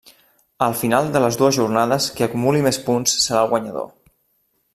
Al final de les dues jornades qui acumuli més punts serà el guanyador.